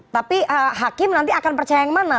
tapi hakim nanti akan percaya yang mana